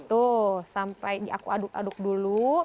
tuh sampai aku aduk aduk dulu